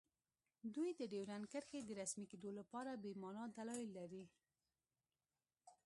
دوی د ډیورنډ کرښې د رسمي کیدو لپاره بې مانا دلایل لري